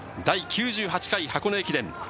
第９８回箱根駅伝。